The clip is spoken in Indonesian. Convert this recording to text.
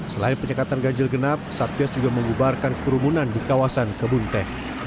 selain penyekatan ganjil genap satgas juga membubarkan kerumunan di kawasan kebun teh